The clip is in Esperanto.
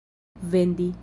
vendi